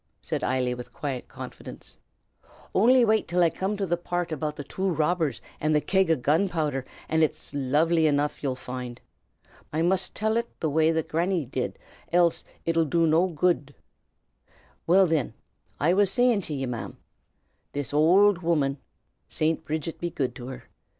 said Eily, with quiet confidence, "ownly wait till I coom to the parrt about the two robbers an' the keg o' gunpowdther, an' its loively enough ye'll foind ut. But I must till ut the same way 'at Granny did, else it 'ull do no good, ava. Well, thin, I was sayin' to ye, ma'm, this owld woman (Saint Bridget be good to her!)